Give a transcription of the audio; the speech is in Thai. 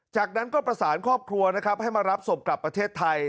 จากนั้นก็ประสานครอบครัวนะครับให้มารับศพกลับประเทศไทย